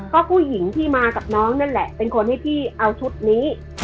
ก็ผู้หญิงที่มากับน้องนั่นแหละเป็นคนให้พี่เอาชุดนี้